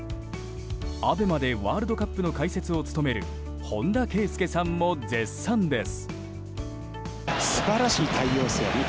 ＡＢＥＭＡでワールドカップの解説を務める本田圭佑さんも絶賛です。